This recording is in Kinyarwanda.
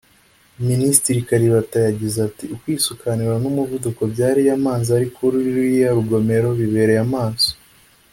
Minisitiri Kalibata yagize ati “Ukwisukanura n’umuvuduko by’ariya mazi ari kuri ruriya rugomero bibereye amaso